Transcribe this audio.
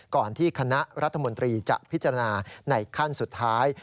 ก่อนที่คณะรัฐมนตรีจะพิจารณาในขั้นสุดท้าย